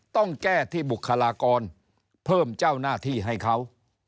ต้องแก้ที่บุคลากรเพิ่มเจ้าหน้าที่ให้เขา